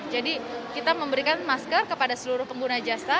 jadi kita memberikan masker kepada seluruh pengguna jasa